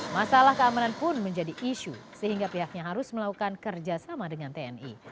masalah keamanan pun menjadi isu sehingga pihaknya harus melakukan kerjasama dengan tni